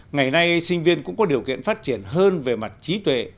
ngày nay sinh viên cũng có điều kiện phát triển hơn về mặt trí tuệ